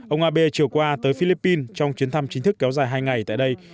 ông abe chiều qua tới philippines trong chuyến thăm chính thức kéo dài hai ngày tại đây